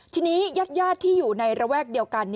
ทีนี้ญาติที่อยู่ในระแวกเดียวกัน